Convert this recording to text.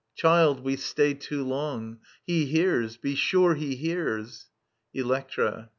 Child, we stay too long. He hears ; be sure he hears I Elbctra.